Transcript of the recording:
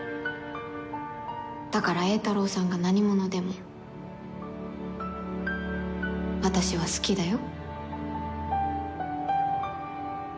だから榮太郎さんが何者でも私は好きだよ。